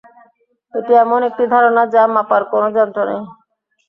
এটি এমন একটি ধারণা, যা মাপার কোনো যন্ত্র নেই।